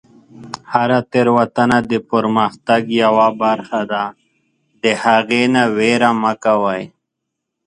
هره تیروتنه د پرمختګ یوه برخه ده، د هغې نه ویره مه کوئ.